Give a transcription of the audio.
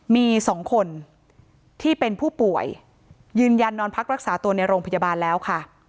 มี๒คนที่เป็นผู้ป่วยยืนยันนอนพักรักษาตัวในโรงพยาบาลแล้วค่ะ